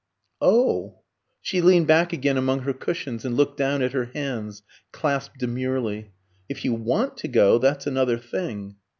"Oh," she leaned back again among her cushions, and looked down at her hands clasped demurely, "if you want to go, that's another thing."